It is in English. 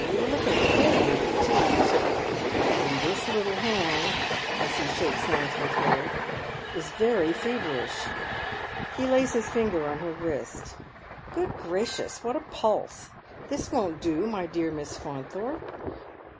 You are looking pale and fatigued. And this little band," as he shakes hands with her, " is very feverish." He lays his finger on her wrist. " Good gracious, what a pulse ! Tuis won't do, my dear Miss Faunthorpe.